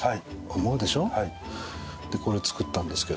でこれ造ったんですけどね。